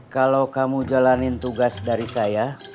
kalau kamu jalanin tugas dari saya